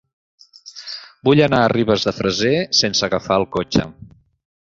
Vull anar a Ribes de Freser sense agafar el cotxe.